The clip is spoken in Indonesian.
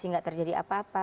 tapi nggak terjadi apa apa